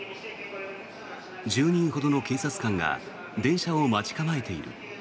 １０人ほどの警察官が電車を待ち構えている。